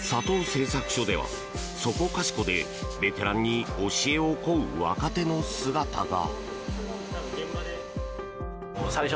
製作所では、そこかしこでベテランに教えを請う若手の姿が。